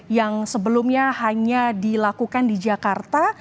yang sebelumnya hanya dilakukan di jakarta